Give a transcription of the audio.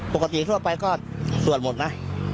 ปกติทั่วไปก็สวดหมดนะ